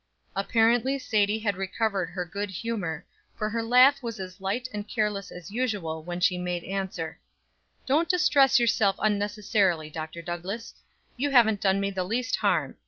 Apparently Sadie had recovered her good humor, for her laugh was as light and careless as usual when she made answer: "Don't distress yourself unnecessarily, Dr. Douglass; you haven't done me the least harm.